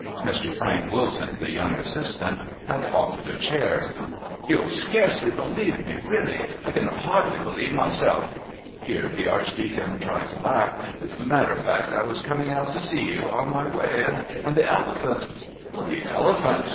Mr. Frank Wilton, the young assistant, had offered a chair. "You'll scarcely believe me really, I can hardly believe myself." Here the Archdeacon tried to laugh. "As a matter of fact, I was coming out to see you...on my way...and the elephant..." "The elephant?"